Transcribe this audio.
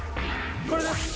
これです。